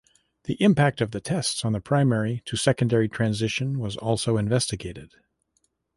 The impact of the tests on the primary to secondary transition was also investigated.